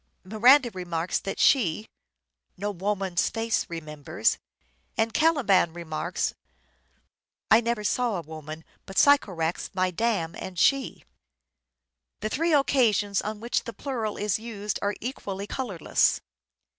Miranda remarks that she " no woman's face remembers," and Caliban remarks " I never saw a woman but Sycorax my dam and she." The three occasions on which the plural is used are equally colourless.